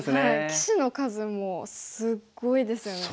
棋士の数もすごいですよね。